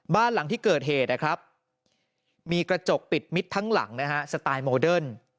บ้านหลังที่เกิดเหตุนะครับมีกระจกปิดมิดทั้งหลังนะฮะสไตล์โมเดิร์น